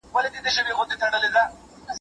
د پانګه والۍ شر ډېر لوی دی.